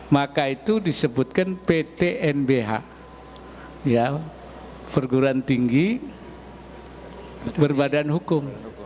maka itu disebutkan pt nbh perguruan tinggi berbadan hukum